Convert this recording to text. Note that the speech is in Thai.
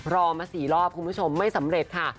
รอมา๔รอบคุณผู้ชมไม่สำเร็จค่ะ